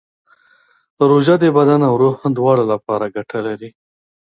روژه د بدن او روح دواړو لپاره ګټه لري.